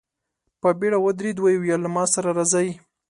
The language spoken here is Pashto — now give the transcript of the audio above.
په بېړه ودرېد، ويې ويل: له ما سره راځئ!